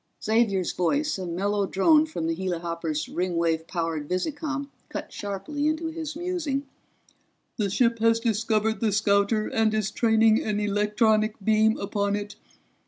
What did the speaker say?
Xavier's voice, a mellow drone from the helihopper's Ringwave powered visicom, cut sharply into his musing. "The ship has discovered the scouter and is training an electronic beam upon it.